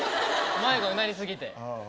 迷子になりすぎて。